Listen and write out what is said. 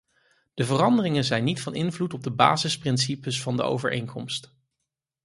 De veranderingen zijn niet van invloed op de basisprincipes van de overeenkomst.